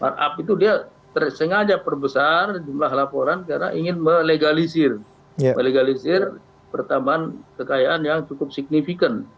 startup itu dia sengaja perbesar jumlah laporan karena ingin melegalisir pertambahan kekayaan yang cukup signifikan